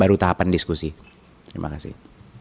baru tahapan diskusi terima kasih